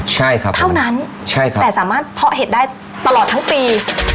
ใช่ครับเท่านั้นใช่ครับแต่สามารถเพาะเห็ดได้ตลอดทั้งปี